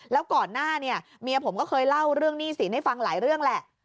แล้วก่อนหน้าเนี่ยเมียผมก็เคยเล่าเรื่องหนี้สินให้ฟังหลายเรื่องแหละ